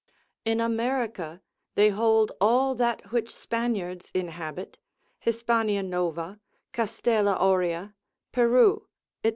In America, they hold all that which Spaniards inhabit, Hispania Nova, Castella Aurea, Peru, &c.